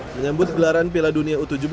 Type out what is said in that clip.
menyebut gelaran pela dunia u tujuh belas